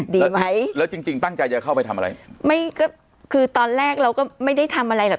ดีไหมแล้วจริงจริงตั้งใจจะเข้าไปทำอะไรไม่ก็คือตอนแรกเราก็ไม่ได้ทำอะไรหรอก